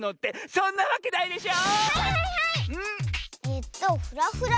そんなわけないでしょ！